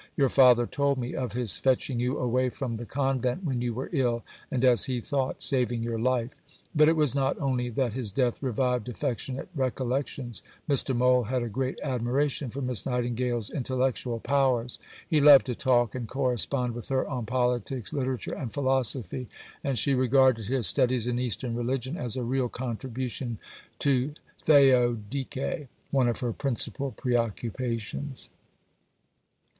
Your father told me of his fetching you away from the Convent when you were ill, and, as he thought, saving your life." But it was not only that his death revived affectionate recollections. M. Mohl had a great admiration for Miss Nightingale's intellectual powers. He loved to talk and correspond with her on politics, literature, and philosophy, and she regarded his studies in Eastern religion as a real contribution to "theodikë," one of her principal preoccupations.